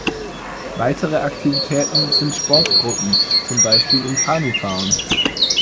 Weitere Aktivitäten sind Sportgruppen, zum Beispiel im Kanufahren.